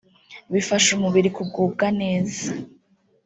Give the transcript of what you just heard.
bifasha umubiri kugubwa neza